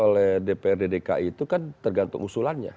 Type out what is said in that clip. ya tapi itu kan tergantung usulannya